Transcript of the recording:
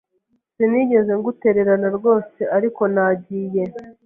Sinigeze ngutererana rwose; ariko nagiye…